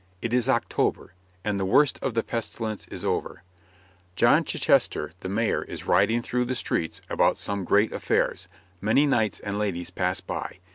It is October, and the worst of the pestilence is over; John Chichester, the Mayor, is riding through the streets about some great affairs; many knights and ladies pass by.